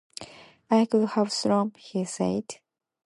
'I could have sworn,' he said.